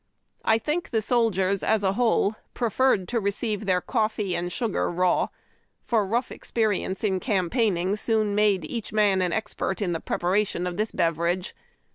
I think the soldiers, as a whole, preferred to receive their coffee and suwar raw, for rough experience in campaigning soon made each man an expert in the preparation of this ])everage.